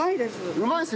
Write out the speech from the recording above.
うまいです。